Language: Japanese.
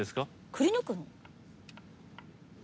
くりぬくの？